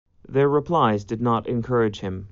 Their replies did not encourage him.